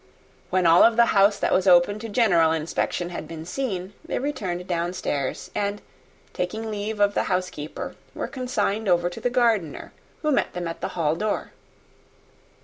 When all of the house that was open to general inspection had been seen, they returned down stairs; and, taking leave of the housekeeper, were consigned over to the gardener, who met them at the hall door.